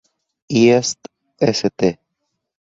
East St.